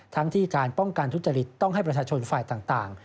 ทั้งที่การป้องกันทุจริตต้องให้ประชาชนฝ่ายต่าง